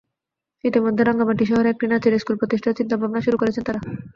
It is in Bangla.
ইতিমধ্যে রাঙামাটি শহরে একটি নাচের স্কুল প্রতিষ্ঠার চিন্তাভাবনা শুরু করেছেন তাঁরা।